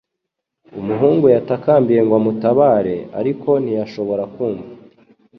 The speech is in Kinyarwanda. Umuhungu yatakambiye ngo amutabare, ariko ntiyashobora kumva